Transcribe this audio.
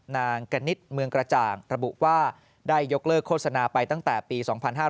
นางกณิตเมืองกระจ่างระบุว่าได้ยกเลิกโฆษณาไปตั้งแต่ปี๒๕๕๙